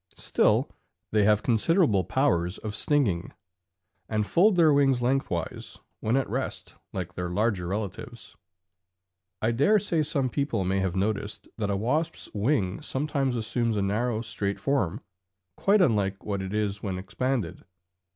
Still they have considerable powers of stinging, and fold their wings lengthwise when at rest like their larger relatives. I dare say some people may have noticed that a wasp's wing sometimes assumes a narrow straight form, quite unlike what it is when expanded.